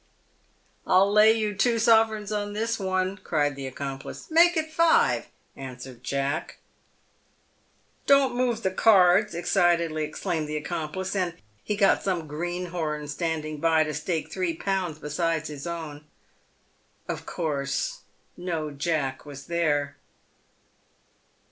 " I'll lay you two sovereigns on this one," cried the accomplice. "Make it five," answered Jack. " Don't move the cards," excitedly exclaimed the accomplice; and he got some greenhorn standing by to stake 31. besides his own. Of course no jack was there.